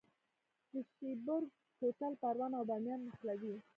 د شیبر کوتل پروان او بامیان نښلوي